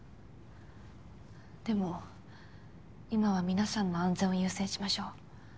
でも今は皆さんの安全を優先しましょう。